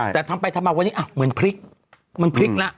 แต่ทำไปทำมาวันนี้เหมือนพลิก